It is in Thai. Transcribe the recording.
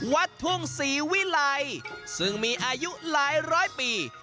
วัดทุ่งศรีวิลัยซึ่งมีอายุหลายร้อยปี